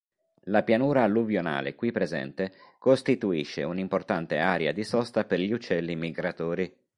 La pianura alluvionale qui presente costituisce un'importante area di sosta per gli uccelli migratori.